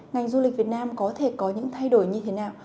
ngành du lịch việt nam có thể có những thay đổi như thế nào